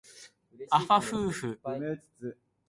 あはふうふ